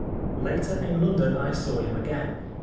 Later, in London, I saw him again.